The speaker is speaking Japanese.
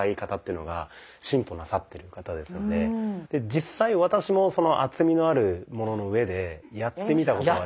実際私もその厚みのあるものの上でやってみたことが。